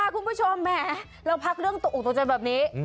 คุณผู้ชมแหมเราพักเรื่องตกออกตกใจแบบนี้